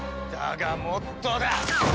だがもっとだ！